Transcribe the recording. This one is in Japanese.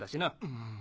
うん。